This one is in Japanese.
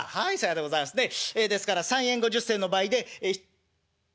ですから３円５０銭の倍で」。